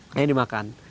yang lain dimakan